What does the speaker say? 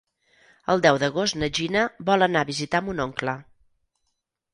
El deu d'agost na Gina vol anar a visitar mon oncle.